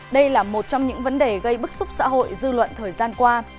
đây là một trong những vấn đề gây bức xúc xã hội dư luận thời gian qua